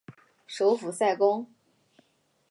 首府塞公。